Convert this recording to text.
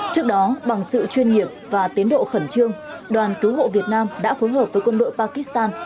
trước đó bằng sự chuyên nghiệp và tiến độ khẩn trương đoàn cứu hộ việt nam đã phối hợp với quân đội pakistan